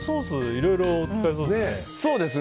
いろいろ使えそうだね。